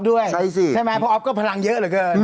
เบื่อมันจะตายหน่อยทุกวันครับ